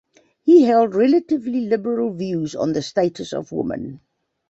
He held relatively liberal views on the status of women.